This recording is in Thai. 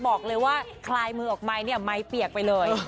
บอกเลยว่าคลายมือออกไม้เนี่ยไม้เปียกไปเลย